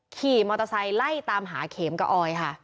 ขี่มอเตอร์ไซค์ไล่ตามหาเขมกับออยค่ะ